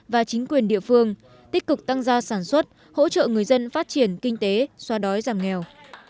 và chính quyền địa phương tích cực tăng gia sản xuất hỗ trợ người dân phát triển kinh tế xoa đói giảm nghèo